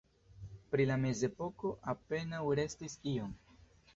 Pri la mezepoko apenaŭ restis iom.